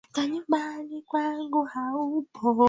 kuikabili korea kaskazini na tume ya uchaguzi nchini nigeria